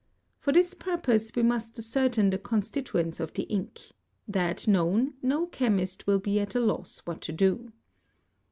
For this purpose we must ascertain the constituents of the ink; that known, no chemist will be at a loss what to do.